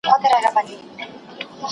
چي خپلواک مي کړي له واک د غلامانو